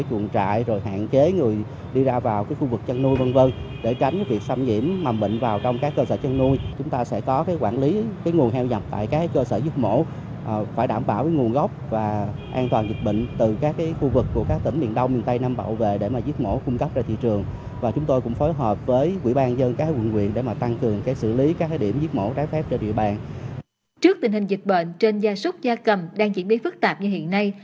trước tình hình dịch bệnh trên gia súc gia cầm đang diễn biến phức tạp như hiện nay